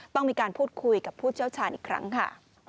ต้องมีการพูดคุยกับผู้เชี่ยวชาญอีกครั้งค่ะ